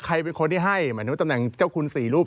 ให้อย่างนี้ให้หมายถึงว่าตำแหน่งเจ้าคุณ๔รูป